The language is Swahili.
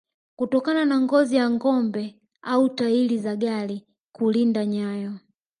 kutokana na ngozi ya ngombe au tairi za gari kulinda nyayo